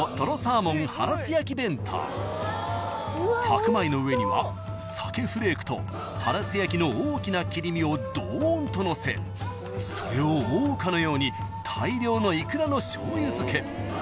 ［白米の上にはさけフレークとハラス焼きの大きな切り身をどんとのせそれを覆うかのように大量のイクラのしょうゆ漬け。